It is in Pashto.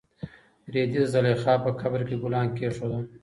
رېدي د زلیخا په قبر کې ګلان کېښودل.